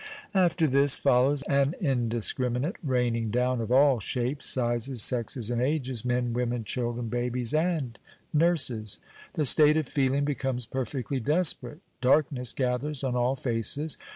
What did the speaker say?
After this follows an indiscriminate raining down of all shapes, sizes, sexes, and ages men, women, children, babies, and nurses. The state of feeling becomes perfectly desperate. Darkness gathers on all faces.